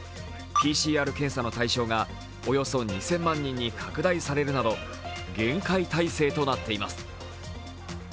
ＰＣＲ検査の対象がおよそ２０００万人に拡大されるなど厳戒態勢となっています。